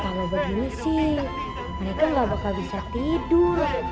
kalau begini sih mereka nggak bakal bisa tidur